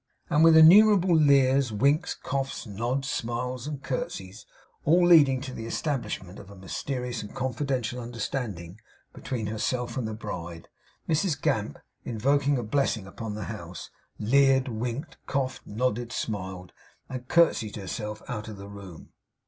And with innumerable leers, winks, coughs, nods, smiles, and curtseys, all leading to the establishment of a mysterious and confidential understanding between herself and the bride, Mrs Gamp, invoking a blessing upon the house, leered, winked, coughed, nodded, smiled, and curtseyed herself out of the room.